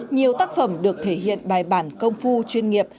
nhiều tác phẩm được thể hiện bài bản công phu chuyên nghiệp